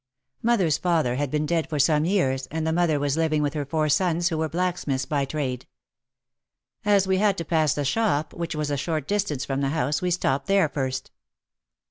Mother's father had been dead for some years and the mother was living with her four sons who were blacksmiths by trade. As we had to pass the shop which was a short distance from the house we stopped there first.